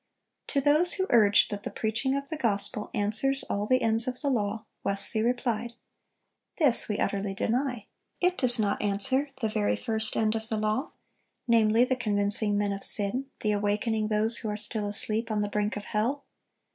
(381) To those who urged that "the preaching of the gospel answers all the ends of the law," Wesley replied: "This we utterly deny. It does not answer the very first end of the law, namely, the convincing men of sin, the awakening those who are still asleep on the brink of hell."